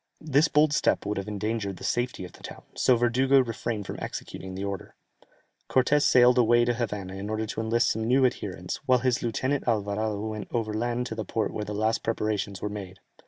This bold step would have endangered the safety of the town, so Verdugo refrained from executing the order. Cortès sailed away to Havana in order to enlist some new adherents, while his lieutenant Alvarado went over land to the port where the last preparations were made.